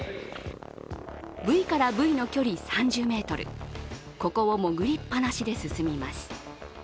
ブイからブイの距離３０ｍ、ここを潜りっぱなしで進みます。